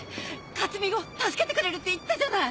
克巳を助けてくれるって言ったじゃない！